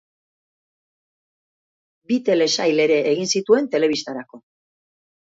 Bi telesail ere egin zituen telebistarako.